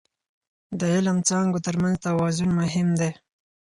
د علم څانګو ترمنځ توازن مهم دی.